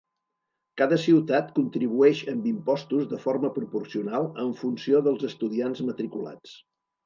Cada ciutat contribueix amb impostos de forma proporcional en funció dels estudiants matriculats.